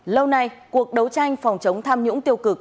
lâu nay cuộc đấu tranh phòng chống tham nhũng tiêu cực